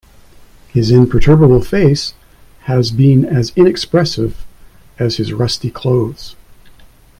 His imperturbable face has been as inexpressive as his rusty clothes.